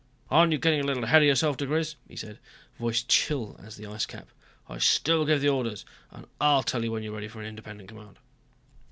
"Aren't you getting a little ahead of yourself, diGriz," he said. Voice chill as the icecap. "I still give the orders and I'll tell you when you're ready for an independent command."